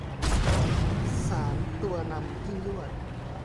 สารตัวนำยิ่งยวด